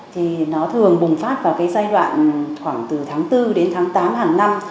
thì nó thường bùng phát vào cái giai đoạn khoảng từ tháng bốn đến tháng tám hàng năm